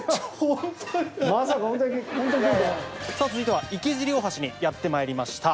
さぁ続いては池尻大橋にやってまいりました。